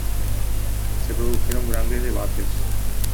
Se produjeron grandes debates.